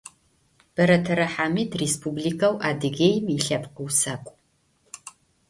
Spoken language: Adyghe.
Beretere Hamid Rêspublikeu Adıgêim yilhepkh vusak'u.